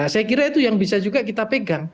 saya kira itu yang bisa juga kita pegang